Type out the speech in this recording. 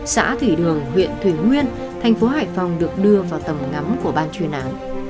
xã thủy đường huyện thủy nguyên thành phố hải phòng được đưa vào tầm ngắm của ban chuyên án